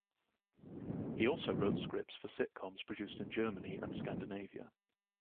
He also wrote scripts for sitcoms produced in Germany and Scandinavia.